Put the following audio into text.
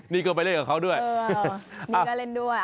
นี่ก็ไปเล่นกับเขาด้วยเออนี่ก็เล่นด้วยเอาด้วย